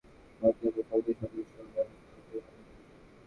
টামটা এলাকায় যানবাহন দুটির মধ্যে মুখোমুখি সংঘর্ষ হলে হতাহতের ঘটনা ঘটে।